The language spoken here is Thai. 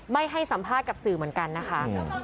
ไม่ให้สัมภาษณ์กับสื่อเหมือนกันนะคะ